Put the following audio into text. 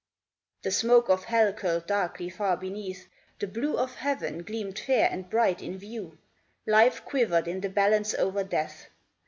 The smoke of Hell curled darkly far beneath, The blue of Heaven gleamed fair and bright in view, Life quivered in the balance over Death.